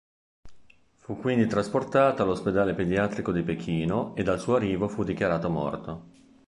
Fu quindi trasportato all'Ospedale pediatrico di Pechino ed al suo arrivo fu dichiarato morto.